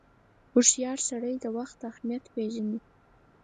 • هوښیار سړی د وخت اهمیت پیژني.